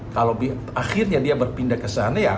kalau akhirnya dia berpindah kesana ya